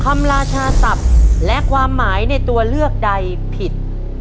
ราชาศัพท์และความหมายในตัวเลือกใดผิด